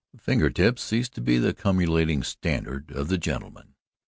The finger tips cease to be the culminating standard of the gentleman.